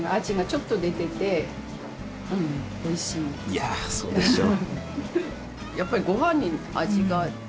いやそうでしょう。